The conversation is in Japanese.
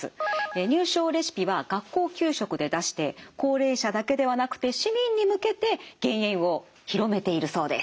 入賞レシピは学校給食で出して高齢者だけではなくて市民に向けて減塩を広めているそうです。